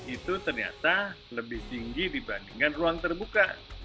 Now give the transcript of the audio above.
itu ternyata lebih tinggi dibandingkan ruang terbuka